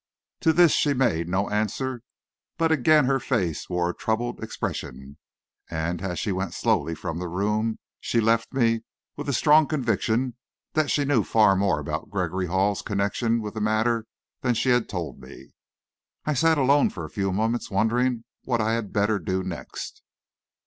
To this she made no answer, but again her face wore a troubled expression, and as she went slowly from the room, she left me with a strong conviction that she knew far more about Gregory Hall's connection with the matter than she had told me. I sat alone for a few moments wondering what I had better do next.